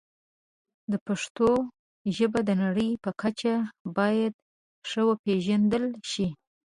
پښتو ژبه د نړۍ په کچه باید ښه وپیژندل شي.